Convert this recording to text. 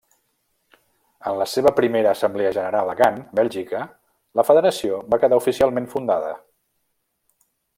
En la seva primera assemblea general a Gant, Bèlgica, la federació va quedar oficialment fundada.